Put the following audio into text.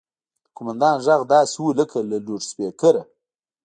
د قوماندان غږ داسې و لکه له لوډسپيکره.